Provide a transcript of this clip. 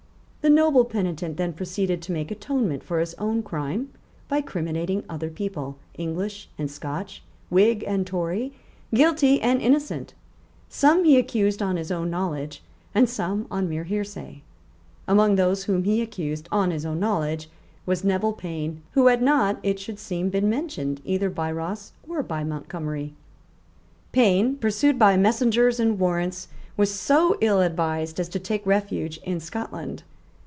The noble penitent then proceeded to make atonement for his own crime by criminating other people, English and Scotch, Whig and Tory, guilty and innocent. Some he accused on his own knowledge, and some on mere hearsay. Among those whom he accused on his own knowledge was Neville Payne, who had not, it should seem, been mentioned either by Ross or by Montgomery, Payne, pursued by messengers and warrants, was so ill advised as to take refuge in Scotland.